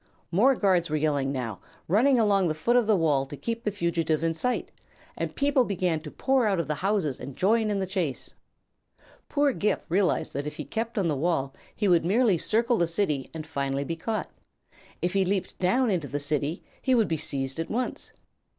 More guards were yelling, now, running along the foot of the wall to keep the fugitive in sight, and people began to pour out of the houses and join in the chase. Poor Ghip realized that if he kept on the wall he would merely circle the city and finally be caught. If he leaped down into the City he would be seized at once.